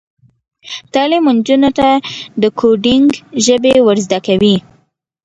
تعلیم نجونو ته د کوډینګ ژبې ور زده کوي.